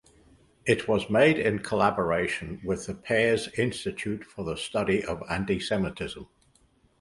It was made in collaboration with the Pears Institute for the study of Antisemitism.